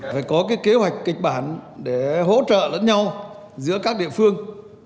phải có kế hoạch kịch bản để hỗ trợ lẫn nhau giữa các địa phương